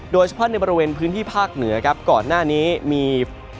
โดยเฉพาะในบริเวณพื้นที่ภาคเหนือครับก่อนหน้านี้มี